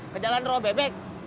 ke jalan robek bek